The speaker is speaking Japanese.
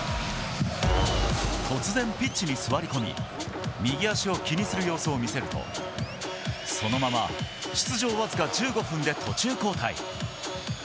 突然、ピッチに座り込み、右足を気にする様子を見せると、そのまま出場僅か１５分で途中交代。